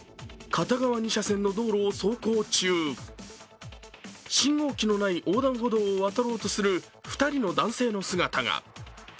片側２車線の道路を走行中、信号機のない横断歩道を渡ろうとする２人の男性の姿が。